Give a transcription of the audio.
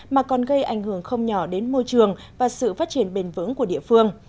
mà còn gây ảnh hưởng không nhỏ đến môi trường và sự phát triển bền vững của địa phương